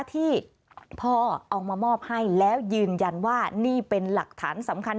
ที่พ่อเอามามอบให้แล้วยืนยันว่านี่เป็นหลักฐานสำคัญ